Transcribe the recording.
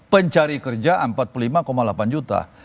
pencari kerja empat puluh lima delapan juta